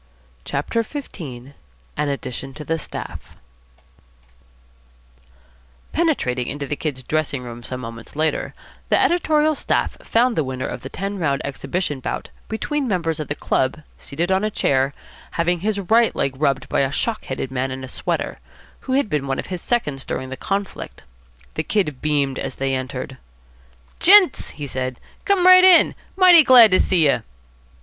CHAPTER XV AN ADDITION TO THE STAFF Penetrating into the Kid's dressing room some moments later, the editorial staff found the winner of the ten round exhibition bout between members of the club seated on a chair, having his right leg rubbed by a shock headed man in a sweater, who had been one of his seconds during the conflict. The Kid beamed as they entered. "Gents," he said, "come right in. Mighty glad to see you."